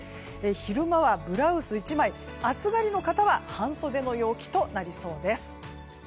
昼間はブラウス１枚暑がりの方は半袖の陽気となりそうです。